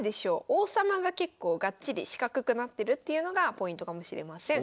王様が結構がっちり四角くなってるっていうのがポイントかもしれません。